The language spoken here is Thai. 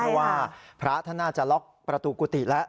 เพราะว่าพระท่านน่าจะล็อกประตูกุฏิแล้ว